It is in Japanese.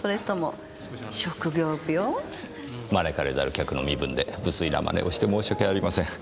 招かれざる客の身分で無粋な真似をして申しわけありません。